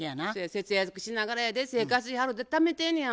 節約しながらやで生活費払うてためてんねや。